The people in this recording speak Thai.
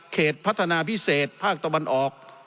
พัฒนาพิเศษภาคตะวันออก